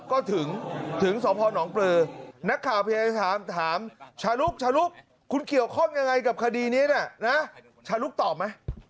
ก็ถึงถึงสพนปลือนักข่าวพยายามถามชาลุกชาลุกคุณเกี่ยวข้องยังไงกับคดีนี้นะชาลุกตอบไหม